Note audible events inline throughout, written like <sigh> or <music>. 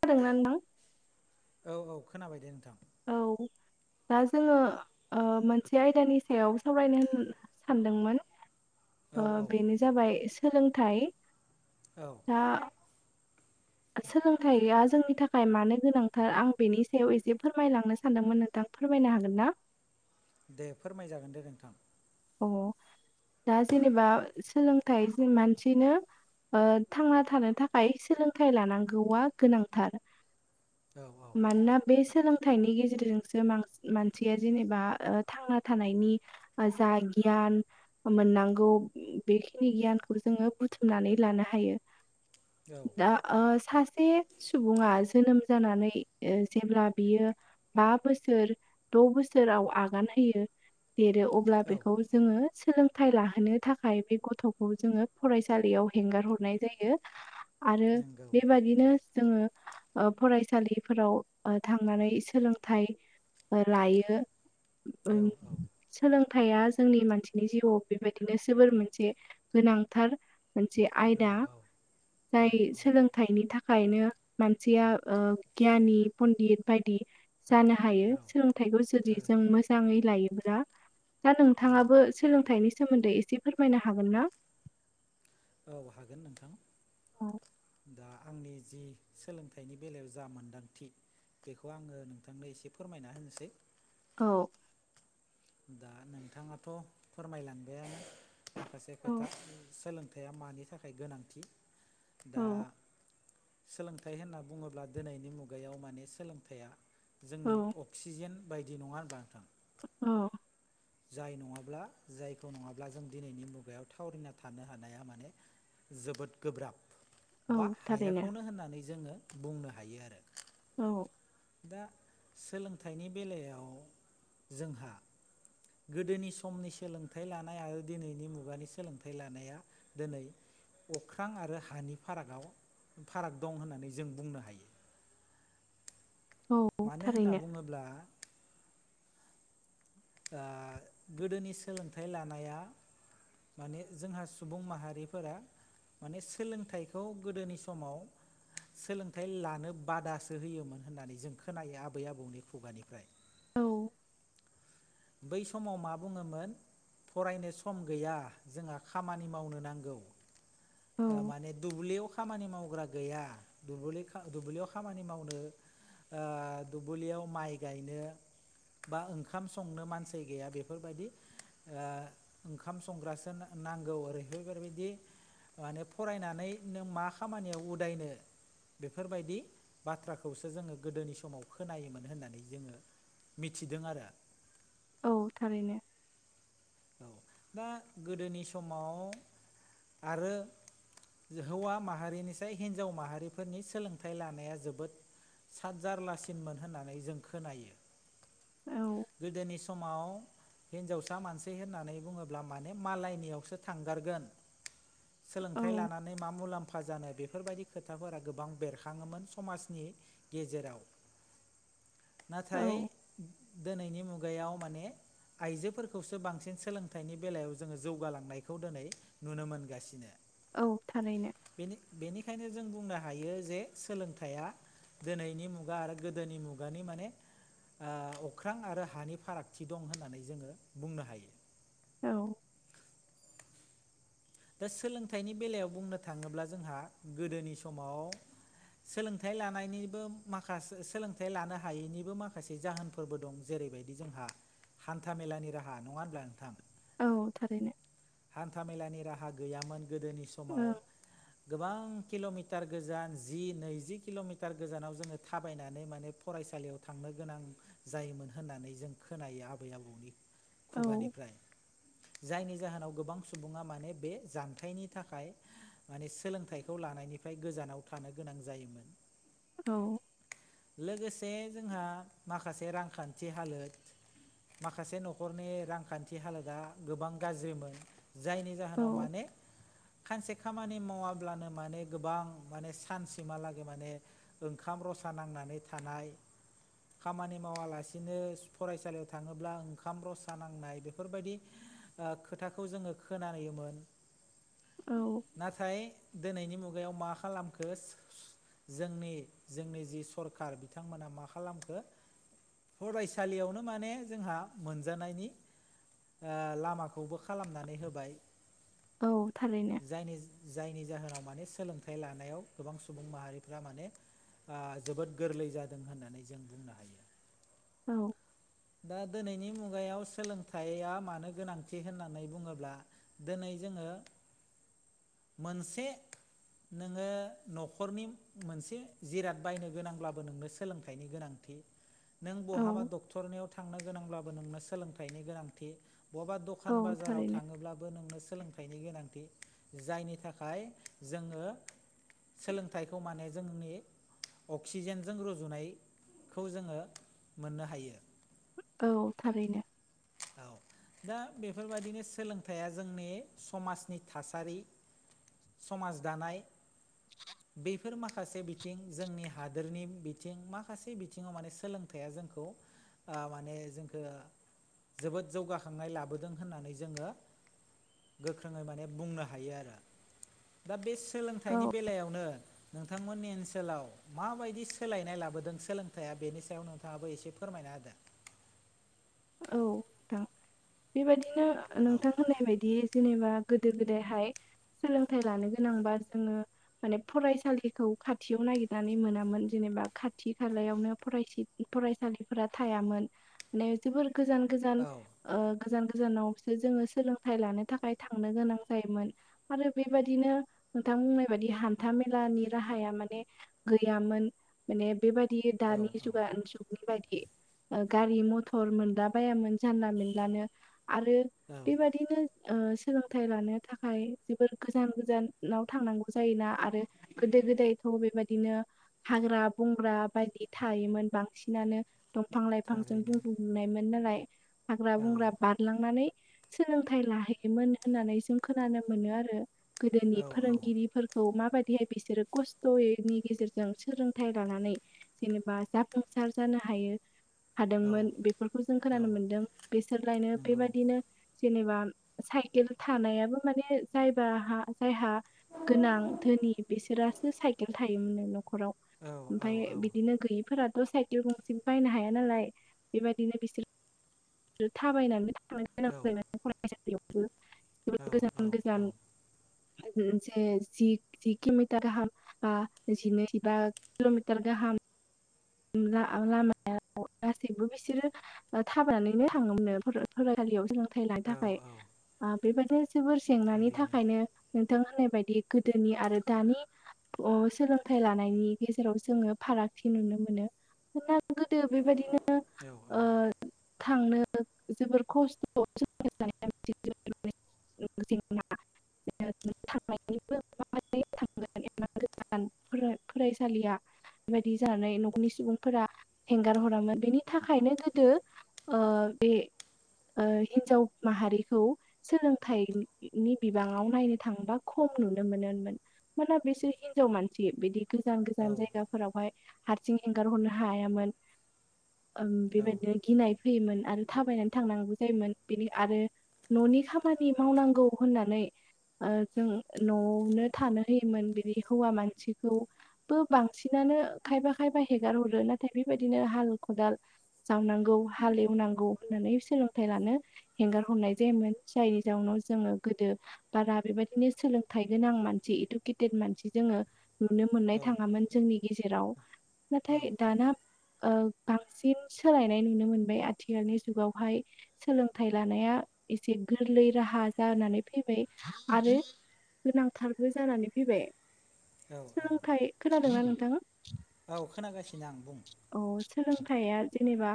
<unintelligible> औ औ खोनाबाय दे नोंथां औ दा जोङो मोनसे आयदानि सायाव सावरायनो सानदोंमोन औ औ बेनो जाबाय सोलोंथाइ औ दा सोलोंथाइया जोंनि थाखाय मानो गोनांथार आं बेनि सायाव एसे फोरमायलांनो सानदोंमोन नोंथां फोरमायनो हागोन ना दे फोरमायजागोन दे नोंथां अ दा जेनेबा सोलोंथाइ मानसिनो थांना थानो थाखाय सोलोंथाइ लानांगौआ गोनांथार औ औ मानोना बे सोलोंथाय फिथाइनि गेजेरजोंसो मानसिया जेनेबा थांना थानायनि ओ जा गियान मोननांगौ बेखिनि गियानखौ जोङो बुथुमनानै लानो हायो औ दा सासे सुबुङा जोनोम जानानै जेब्ला बियो बा बोसोर द' बोसोराव आगान होयो देरो अब्ला औ बेखौ जोङो सोलोंथाइ लाहोनो थाखाय बे गथ'खौ जोङो फरायसालियाव हेंगार हरनाय जायो <inaudible> आरो नंगौ बेबायाददिनो जोङो फरायसालिफोराव थांनानै सोलोंथाइ लायो औ औ सोलों थाया जोंनि मानसिनि जिउआव बेबायदिनो जोबोर मोनसे गोनांथार मोनसे आयदा औ औ जाय सोलों फिथाइनि थाखायनो मानसिया गियानि पन्डत बायदि जानो हायो औ सोलोंथाइखौ जुदि जों थारैनो मोजाङै लायोब्ला दा नोंथाङाबो सोलोंथाइनि सोमोन्दै एसे फोरमायनो हागोन ना औ हागोन नोंथां औ दा आंनि जि सोलोंथाइनि बेलायाव जा मोनदांथि बेखौ आङो नोंथांनो एसे फोरमायना होनोसै औ दा नोंथाङाथ' फोरमायलांबाय आानो माखासे खोथा सोलों खोथाया मानि थाखाय गोनांथि दा औ सोलोंथाइ होनना बुङोब्ला दिनैनि मुगायाव माने सोलोंथाइया औ जोंनि अक्सिजेन बायदि नङा होनबा नोंथां औ जाय नङाब्ला जायखौ नङाब्ला जों दिनैनि मुगायाव थावरिना थानो हानाया माने जोबोद गोब्राब औ बा थारैनो हायाखौनो होननानै जोङो बुंनो हायो आरो औ दा सोलोंथाइनि बेलायाव जोंहा गोदोनि समनि सोलोंथाइ लानाय आरो दिनैनि मुगानि सोलोंथाइ लानाया दिनै अख्रां आरो हानि फारागाव फाराग दं होननानै जों बुंनो हायो औ मानो होनना थारैनो बुङोब्ला ओ गोदोनि सोलोंथाइ लानाया माने जोंहा सुबुं माहारिफोरा माने सोलोंथाइखौ गोदोनि समाव सोलोंथाइ लानो बादासो होयोमोन होननानै जों खोनायो आबै आबौनि खुगानिफ्राय। औ बै समाव मा बुङोमोन फरायनो सम गैया जोंहा खामानि मावनो नांगौ ओ औ माने दुब्लियाव खामानि मावग्रा गैया दुबुलि खा दुब्लियाव खामानि मावनो ओ दुब्लियाव माइ गायनो बा ओं खाम संनो मानसि गैया बेफोरबायदि ओ ओंखाम संग्रासो ना-नांगौ ओरैहाय बेफोरबायदि माने फरायनानै नों मा खामानियाव उदायनो बेफोरबायदि बाथ्राखौसो जोङो गोदोनि समाव खोनायोमोन होननानै जोङो मिथिदों आरो। औ थारैनो। औ दा गोदोनि समाव आरो हौवा माहारिनिसाय हिन्जाव माहारिफोरनि सोलोंथाइ लानाया जोबोद सात जारलासिनमोन होननानै जों खोनायो। औ गोदोनि समाव हिन्जावसा मानसि होननानै बुङोब्ला माने मालायनियावसो थांगारगोन औ सोलोंथाइ लानानै मा मुलाम्फा जानो बेफोरबायदि खोथाफोरा गोबां बेरखाङोमोन समाजनि गेजेराव औ नाथाय दोनैनि मुगायाव माने आइजोफोरखौसो बांसिन सोलोंथाइनि बेलायाव जोङो जौगालांनायखौ दोनै नुनो मोनगासिनो। औ थारैनो। बेनि-बेनिखायनो जों बुंनो हायो जे सोलोंथाइया दोनैनि मुगा आरो गोदोनि मुगानि माने ओ अ ख्रां आरो हानि फारागथि दं होननानै जोङो बुंनो हायो। औ दा सोलोंथाइनि बेलायाव बुंनो थाङोब्ला जोंहा गोदोनि समाव सोलोंथाइ लानायनिबो माखास सोलोंथाइ लानो हायैनिबो माखासे जाहोन फोरबो दं जेरैबायदि जोंहा हान्था मेलानि राहा नङा होनब्ला नोंथां? औ थारैनो। हान्थामेलानि राहा गैयामोन गोदोनि समाव औ गोबां किल'मिटार गोजान जि नैजि किल'मिटार गोजानाव जोङो थाबायनानै माने फरायसालियाव थांनो गोनां जायोमोन होननानै जों खोनायो आबै आबौनि औ खुगानिफ्राय जायनि जाहोनाव गोबां सुबुङा माने बे जानथायनि थाखाय माने सोलोंथाइखौ लानायनिफ्राय गोजानाव थानो गोनां जायोमोन। औ लोगोसे जोंहा माखासे रांखान्थि हालोद माखासे न'खरनि रांखान्थि हालोदा गोबां गाज्रिमोन जायनि जाहोनाव औ नाव माने खानसे खामानि मावाब्लानो माने गोबां माने सानसिमहालागै माने ओंखाम रसा नांनानै थानाय खामानि मावालासिनो स फरायसालियाव थाङोब्ला ओंखाम रसा नांनाय बेफोरबायदि ओ खोथाखौ जोङो खोनायोमोन औ नाथाय दिनैनि मुगायाव मा खालामखो जोंनि जोंनि जि सरखार बिथांमोना मा खालामखो? फरायसालियावनो माने जोंहा मोनजानायनि आ लामाखौबो खालामनानै होबाय। औ थारैनो। जायनि जायनि जाहोनाव माने सोलोंथाइ लानायाव गोबां सुबुं माहारिफ्रा माने ओ जोबोद गोरलै जादों होननानै जों बुंनो हायो। औ! दा दोनैनि मुगायाव सोलोंथाइया मानो गोनांथि होननानै बुङोब्ला दोनै जोङो मोनसे नोङो न'खरनि मोनसे जिराद बायनो गोनांब्लाबो नोंनो सोलोंथाइनि गोनांथि। नों बहाबा औ डक्टरनियाव थांनो गोनांब्लाबो नोंनो सोलोंथाइनि गोनांथि बहाबा डक- दखान औ बाजाराव थारैनो थाङोब्लाबो नोंनो सोंलों बेनि गोनांथि जायनि थाखाय जोङो सोलोंथाइखौ माने जोंनि अक्सिजेनजों रुजुनाय खौ जोङो मोननो हायो। औ थारैनो। औ दा बेफोरबायदिनो सोलोंथाइया जोंनि समाजनि थासारि समाज दानाय बेफोर माखासे बिथिं जोंनि हादोरनि बिथिं माखासे बिथिङाव माने सोलोंथाइया जोंखौ आ माने जोंखो जोबोद जौगाखांनाय लाबोदों होननानै जोङो गोख्रोङै माने बुंनो हायो आरो। दा बे सोलोंथाइनि औ बेलायावनो नोंथांमोननि ओनसोलाव माबायदि सोलायनाय लाबोदों सोलोंथाइया बेनि सायाव नोंथाङाबो एसे फोरमायना होदो? औ नोंथां बेबायदिनो नोंथां होननाय बायदि जेनेबा गोदो गोदायहाय सोलोंथाइ लानो गोनांबा जोङो माने फरायसालिखौ खाथियाव नागिरनानै मोनामोन जेनेबा खाथि खालायावनो फराय--थि- फरायसालिफोरा थायामोन ने जोबोर गोजान गोजान औ ओ गोजान गोजानावसो जोङो सोलोंथाइ लानो थाखाय थांनो गोनां जायोमोन। आरो बेबायदिनो नोंथां बुंनाय बायदि हान्था मेलानि राहाया माने गैयामोन माने बेबायदि दि औ औ दानि जुगा जुगनि बायदि गारि मथर मोनद्ला बायामोन। जानला मोनलानो आरो औ बेबादिनो ओ सोलोंथाइ लानो थाखाय जोबोर गोजान गोजानाव थांनांगौ जायोना आरो गोदो गोदायथ' बेबायदिनो हाग्रा बंग्रा बायदि थायोमोन बांसिनानो। दंफां लाइफांजों थारैनो बुंफुंजोबनायमोन नालाय हाग्रा औ बंग्रा बार लांनानै सोलोंथाइ लाहैयोमोन होननानै जों खोनानो मोनो आरो। गोदोनि औ औ फोरोंगिरिफोर ख- खौ माबादिहाय बिसोरो खस्थ'यैनि गेजेरजों सोलोंथाइ लानानै जेनेबा जाफुंसार जानो हायो। औ हादोंमोन बेफोरखौ जों औ खोनानो मोनदों बेसोरलायनो नंगौ बेबादिनो जेनेबा साइकेल थानायाबो माने जायबा हा जायहा गोनां धोनि बिसोरासो साइकेल थायोमोन न'खराव। औ औ ओमफाय औ बिदिनो गैयैफोराथ' साइकेल गंसे बायनो हाया नालाय। बेबायदिनो बिसोर थाबायनानै थांनो औ गोनां जायोमोन फरायसालियावबो‌ गोजान गोजान जे जि खिमटार गाहाम। बा जिनै जिबा किल'मिटार गाहाम। दा लामायाव गासैबो बिसोरो थाबायनानैनो थाङोमोनो फरायसालियाव जो फैनाय औ थाखाय लानो औ थाखाय बेबायदिनो जोबोर जेंनानि थारैनो थाखायनो नोंथां होननाय बायदि गोदोनि आरो दानि अ' सोलोंथाइ लानायनि गेजेराव जोङो फारागथि नुनो मोन नो गोदो बेबायदिनो औ ओ थांनो जोबोर खस्थ' <unintelligible> जेंना <unintelligible> गोजान फरा फरायसालिया बेबायदि जानानै नखरनि सुबुंफोरा हेंगार हरामोन बेनि थाखायनो गोदो ओ बे ओ हिन्जाव माहारिखौ सोलोंथाइनि बिबाङाव नायनो थाङोबा खम नुनो मोनो मोन मोना बिसोर हिनजाव मानसि बिदि गोजान औ गोजान जायगाफोराव हाय हारसिं एंगार हरनो हायामोन। ओम औ बेबायदिनो गिनाय फैयोमोन आरो थाबायनानै थांनांगौ जायोमोन बेनि आरो न'नि खामानि मावनांगौ होननानै ओ जों न'आवनो थानो होयोमोन बिनि हौवा मानसिखौ बो बांसिनानो खायबा खायबा हेगार हरो नाथाय बेबायदिनो हाल खदाल जावनांगौ हालेवनांगौ होननानै सोलोंथाइ लानो हेंगार हरनाय जायोमोन जायनि जाउनाव जोङो गोदो बारा बेबायदिनो सोलोंथाइ गोनां मानसि इदुकेटेद मानसि जोङो नुनो औ मोननाय थाङामोन जोंनि गेजेराव औ नाथाय दाना ओ बांसिन सोलायनाय नुनो मोनबाय आथिखालनि जुगाव हाय सोलोंथाइ लानाया एसे गोरलै राहा जानानै फैबाय आरो गोनांथारबो जानानै फैबाय औ औ सोलोंथाइ खोनादोंना नोंथां औ खोनागासिनो आं बुं औ सोलोंथाइया जेनेबा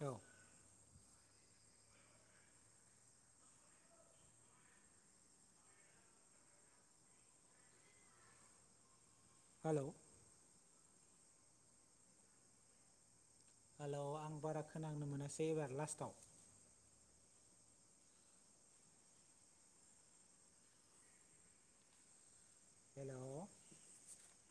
औ हेलौ हेलौ आं बारा खोनांनो मोनासै एबार लास्टाव हेलौ